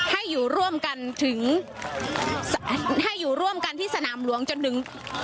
ให้อยู่ร่วมกันถึงให้อยู่ร่วมกันที่สนามหลวงจนถึง